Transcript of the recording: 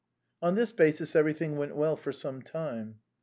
On this basis everything went well for some time.